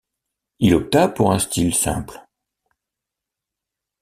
Il opta pour un style simple.